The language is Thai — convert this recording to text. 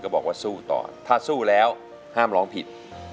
บอกว่าสู้ต่อถ้าสู้แล้วห้ามร้องผิด